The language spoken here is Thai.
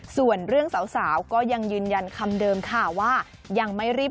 ส่วนเรื่องสาวก็ยังยืนยันคำเดิมค่ะว่า